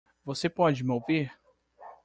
Você pode me ouvir?